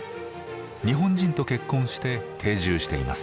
日本人と結婚して定住しています。